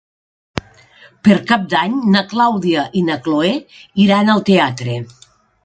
Per Cap d'Any na Clàudia i na Cloè iran al teatre.